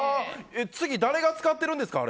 次、誰が使ってるんですか？